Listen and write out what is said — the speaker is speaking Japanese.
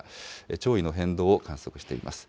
潮位の変動を観測しています。